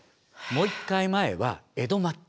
もう一回前は江戸末期。